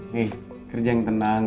hei kerja yang tenang